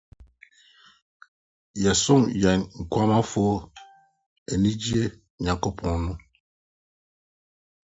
Yɛsom Yɛn Nkwamafo, anigye Nyankopɔn no.